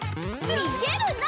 逃げるな！